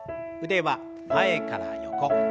腕は前から横。